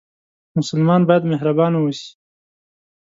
مسلمان باید مهربانه اوسي